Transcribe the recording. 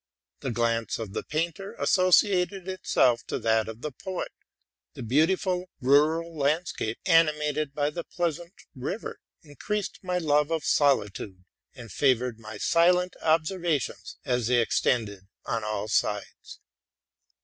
The glance of the painter be came associated with that of the poet: the beautiful rural landscape, animated by the pleasant river, increased my love of solitude, and favored my silent observations as they extended on 'all sides.